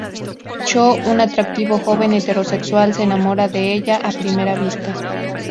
Cho, un atractivo joven heterosexual, se enamora de ella a primera vista.